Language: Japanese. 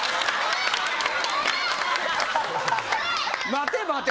待て待て。